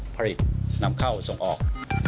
ผลิตนำเข้าส่งออก